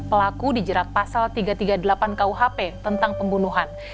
pelaku dijerat pasal tiga ratus tiga puluh delapan kuhp tentang pembunuhan